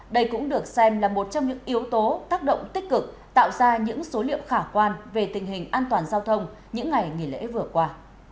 đây cũng được xem là một trong những yếu tố tác động tích cực tạo ra những số liệu khả quan về tình hình an toàn giao thông những ngày nghỉ lễ vừa qua